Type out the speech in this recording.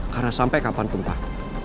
karena sampai kapanpun pak